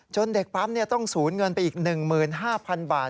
เด็กปั๊มต้องสูญเงินไปอีก๑๕๐๐๐บาท